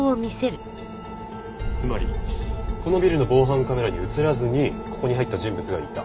つまりこのビルの防犯カメラに映らずにここに入った人物がいた。